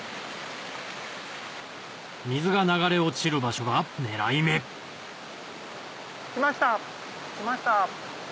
水が流れ落ちる場所が狙い目来ました来ました。